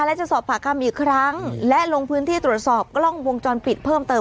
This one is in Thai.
และจะสอบปากคำอีกครั้งและลงพื้นที่ตรวจสอบกล้องวงจรปิดเพิ่มเติม